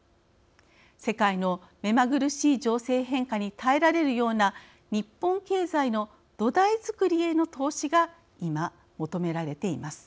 世界の目まぐるしい情勢変化に耐えられるような日本経済の土台づくりへの投資が今求められています。